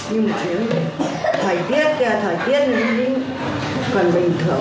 điều kiện thuận lợi cho các loại virus vi khuẩn phát triển